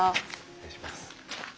失礼します。